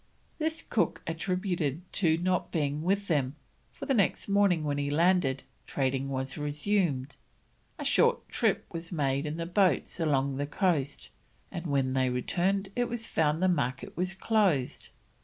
This Cook attributed to his not being with them, for the next morning, when he landed, trading was resumed. A short trip was made in the boats along the coast, and when they returned it was found the market was closed.